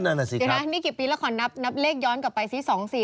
เดี๋ยวนะนี่กี่ปีแล้วขอนับเลขย้อนกลับไปซิ๒๔๔